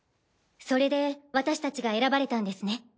それで私たちが選ばれたんですね？